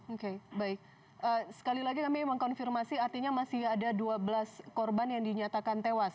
oke baik sekali lagi kami mengkonfirmasi artinya masih ada dua belas korban yang dinyatakan tewas